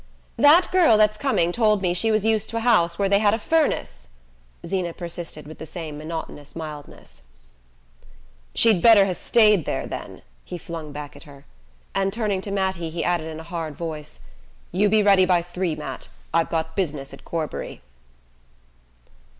"That girl that's coming told me she was used to a house where they had a furnace," Zeena persisted with the same monotonous mildness. "She'd better ha' stayed there then," he flung back at her; and turning to Mattie he added in a hard voice: "You be ready by three, Matt; I've got business at Corbury."